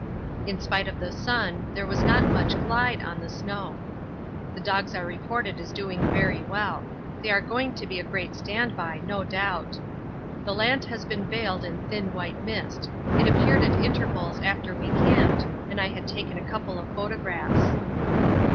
In spite of the sun there was not much 'glide' on the snow. The dogs are reported as doing very well. They are going to be a great standby, no doubt. The land has been veiled in thin white mist; it appeared at intervals after we camped and I had taken a couple of photographs.